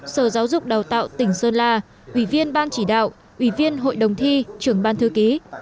sở giáo dục đào tạo tỉnh sơn la ủy viên ban chỉ đạo ủy viên hội đồng thi trưởng ban thư ký